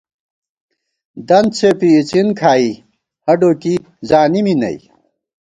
دنت څېپی اِڅِن کھائی ہڈّو کی زانی می نئ